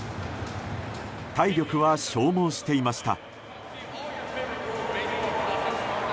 体力は消耗していました。